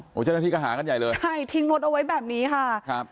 โอ้โหเจ้าหน้าที่ก็หากันใหญ่เลยใช่ทิ้งรถเอาไว้แบบนี้ค่ะครับ